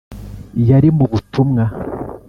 yari mu butumwa,